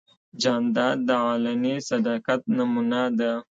جانداد د علني صداقت نمونه ده.